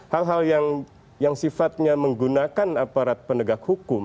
hal hal yang sifatnya menggunakan aparat penegak hukum